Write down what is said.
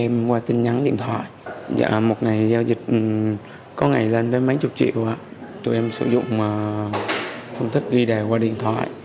mình có ngày lên đến mấy chục triệu tụi em sử dụng công thức ghi đề qua điện thoại